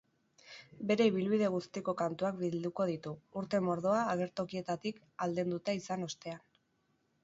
Bere ibilbide guztiko kantuak bilduko ditu, urte mordoa agertokietatik aldenduta izan ostean.